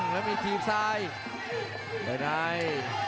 แล้วมีทีมซ้ายเดี๋ยวได้